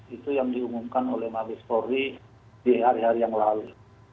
itu yang diumumkan oleh mabes polri di hari hari yang lalu